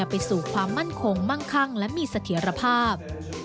ไปสู่ความมั่นคงมั่งคั่งและมีเสถียรภาพ